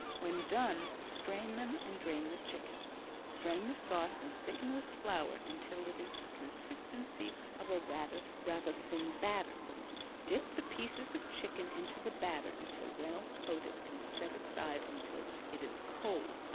When done strain them and drain the chicken. Strain the sauce and thicken with flour until it is of the consistency of a rather thin batter. Dip the pieces of chicken into the batter until well coated and set aside until it is cold.